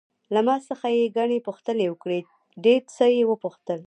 له ما څخه یې ګڼې پوښتنې وکړې، ډېر څه یې وپوښتل.